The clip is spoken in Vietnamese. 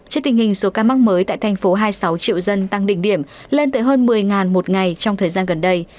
trước tình hình số ca mắc mới tại thành phố hai mươi sáu triệu dân tăng đỉnh điểm lên tới hơn một mươi một ngày trong thời gian gần đây